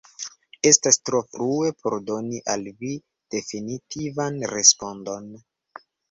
Estas tro frue por doni al vi definitivan respondon.